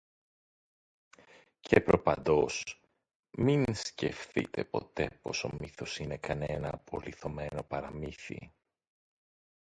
Και προπαντός, μην σκεφθείτε ποτέ πως ο μύθος είναι κανένα απολιθωμένο παραμύθι.